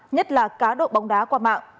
nhất là cá độ bóng đá qua mạng